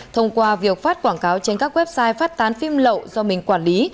thông qua việc phát quảng cáo trên các website phát tán phim lậu do mình quản lý